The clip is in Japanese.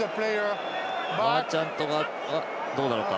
マーチャントがどうなのか。